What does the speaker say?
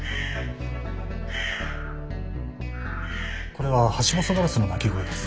これはハシボソガラスの鳴き声です。